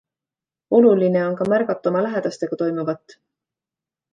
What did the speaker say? Oluline on ka märgata oma lähedastega toimuvat.